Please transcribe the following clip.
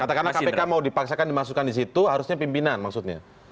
katakanlah kpk mau dipaksakan dimasukkan di situ harusnya pimpinan maksudnya